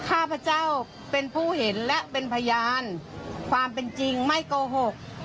ข้าพเจ้าเป็นผู้เห็นและเป็นพยานความเป็นจริงไม่โกหก